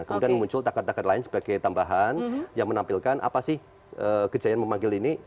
kemudian muncul tagar tagar lain sebagai tambahan yang menampilkan apa sih kejayaan memanggil ini